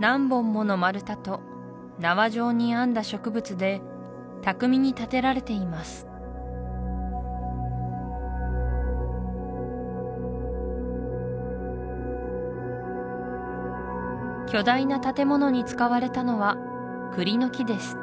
何本もの丸太と縄状に編んだ植物で巧みに建てられています巨大な建物に使われたのはクリの木です